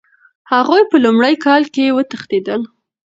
هغوی په لومړي کال کې وتښتېدل.